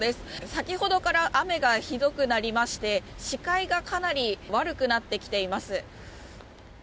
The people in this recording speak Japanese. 先ほどから雨がひどくなりまして視界がかなり悪くなってきています。